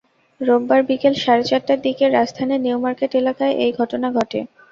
রোববার বিকেল সাড়ে চারটার দিকে রাজধানীর নিউমার্কেট এলাকায় এই ঘটনা ঘটে।